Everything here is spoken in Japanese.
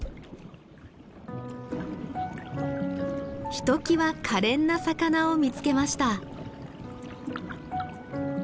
ひときわ可憐な魚を見つけました。